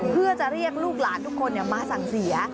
เพื่อจะเรียกลูกหลานทุกคนมาสั่งเสีย